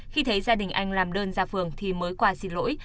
khi thấy gia đình anh làm đơn ra phường thì mới qua xin lỗi